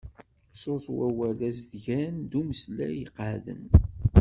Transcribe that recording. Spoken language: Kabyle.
Sut wawal azedgan d umeslay iqeεden.